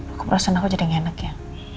aku merasa naku aja yang enak ya